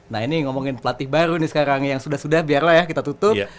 nah ini ngomongin pelatih baru nih sekarang yang sudah sudah biarlah ya kita tutup